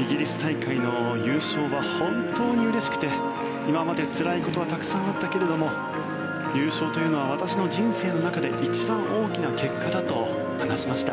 イギリス大会の優勝は本当にうれしくて今までつらいことはたくさんあったけれども優勝というのは私の人生の中で一番大きな結果だと話しました。